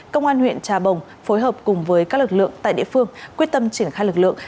công an huyện trà bồng phối hợp cùng với các lực lượng tại địa phương quyết tâm triển khai lực lượng